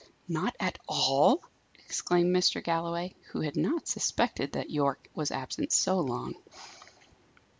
not at all?" exclaimed Mr. Galloway, who had not suspected that Yorke was absent so long.